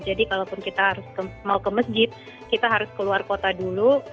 jadi kalaupun kita mau ke masjid kita harus keluar kota dulu